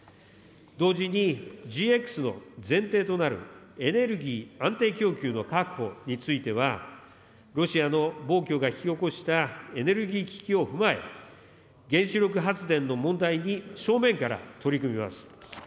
同時に、ＧＸの前提となる、エネルギー安定供給の確保については、ロシアの暴挙が引き起こしたエネルギー危機を踏まえ、原子力発電の問題に正面から取り組みます。